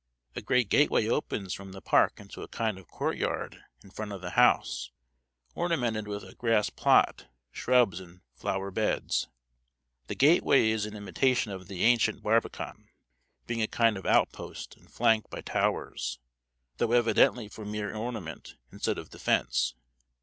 A great gateway opens from the park into a kind of courtyard in front of the house, ornamented with a grassplot, shrubs, and flower beds. The gateway is in imitation of the ancient barbacan, being a kind of outpost and flanked by towers, though evidently for mere ornament, instead of defence.